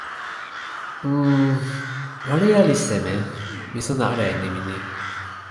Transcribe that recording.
n... waleja li seme? mi sona ala e nimi ni.